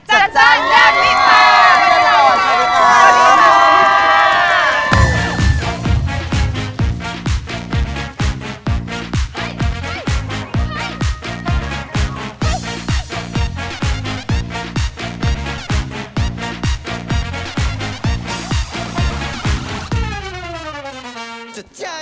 จัดจันยันวิทย์ค่ะ